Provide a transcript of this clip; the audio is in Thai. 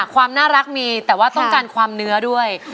ความน่ารักมีแต่ว่าต้องการความเนื้อด้วย